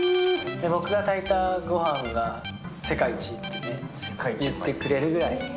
僕が炊いたごはんが世界一おいしいと言ってくれるぐらい。